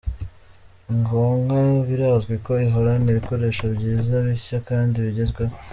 Konka birazwi ko ihorana ibikoresho byiza, bishya kandi bigezweho.